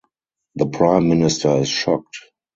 The Prime Minister is shocked.